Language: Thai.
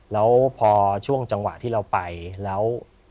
แล้วพอช่วงจังหวะที่เราไปแล้ว